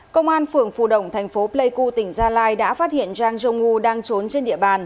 công an phường phù động thành phố pleiku tỉnh gia lai đã phát hiện zhang zhongwu đang trốn trên địa bàn